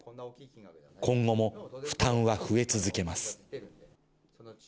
今後も負担は増え続けます。